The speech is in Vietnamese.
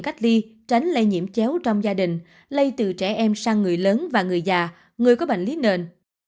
cách ly tránh lây nhiễm chéo trong gia đình lây từ trẻ em sang người lớn và người già người có bệnh lý nền